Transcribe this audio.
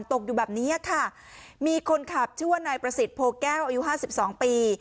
ตกอยู่แบบนี้ค่ะมีคนขับชื่อว่านายประสิทธิโพแก้วอายุห้าสิบสองปี